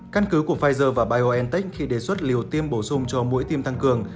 căn cứ của pfizer và biontech khi đề xuất liều tiêm bổ sung cho mũi tiêm tăng cường